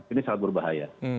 ini sangat berbahaya